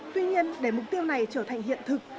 tuy nhiên để mục tiêu này trở thành hiện thực